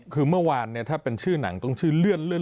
คือเมื่อวานเนี่ยถ้าเป็นชื่อหนังต้องชื่อเลื่อน